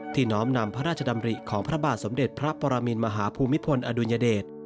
น้อมนำพระราชดำริของพระบาทสมเด็จพระปรมินมหาภูมิพลอดุลยเดช